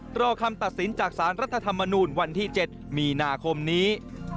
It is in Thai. รอคำตัดสินจากสารรัฐธรรมนูลวันที่๗มีนาคมนี้